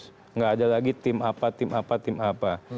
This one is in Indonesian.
tidak ada lagi tim apa tim apa tim apa